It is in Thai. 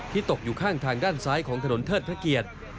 ตกอยู่ข้างทางด้านซ้ายของถนนเทิดพระเกียรติ